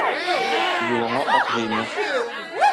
Юлыңа ак җәймә!